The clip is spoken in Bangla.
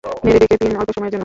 নেড়ে ঢেকে দিন অল্প সময়ের জন্য।